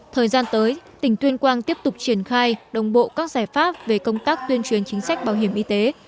thời gian tới tỉnh tuyên quang tiếp tục triển khai đồng bộ các giải pháp về công tác tuyên truyền chính sách bảo hiểm y tế